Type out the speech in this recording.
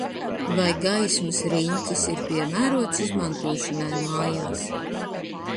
Vai gaismas riņķis ir piemērots izmantošanai mājās?